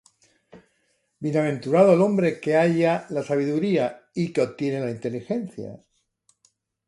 Bienaventurado el hombre que halla la sabiduría, Y que obtiene la inteligencia: